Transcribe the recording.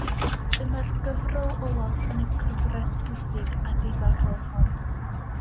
Dyma'r gyfrol olaf yn y gyfres bwysig a diddorol hon.